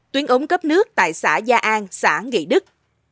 tuyến ống cấp nước tại xã gia an xã nghị đức